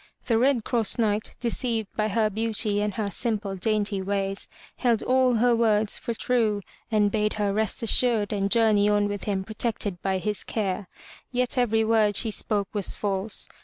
The Red Cross Knight, deceived by her beauty and her simple dainty ways, held all her words for true, and bade her rest assured and journey on with him protected by his care. Yet every word she spoke was false.